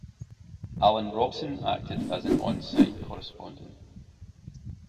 Alan Robson acted as an on-site correspondent.